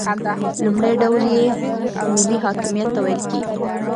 لومړی ډول یې ملي حاکمیت ته ویل کیږي.